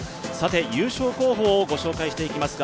優勝候補をご紹介していきますが、